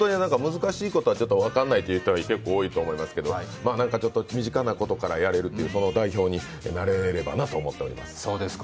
難しいことは分からないという人は多いと思いますけど、身近なことからやれるという、その代表になれればなと思います。